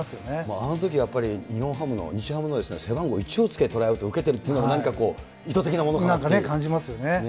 あのときはやっぱり、日本ハムの、日ハムの背番号１をつけてトライアウト受けてるっていうのがなんなんか、感じますよね。